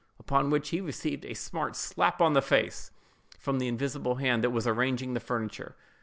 upon which he received a smart slap on the face, from the invisible hand that was arranging the furniture.